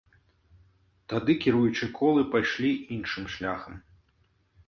Тады кіруючыя колы пайшлі іншым шляхам.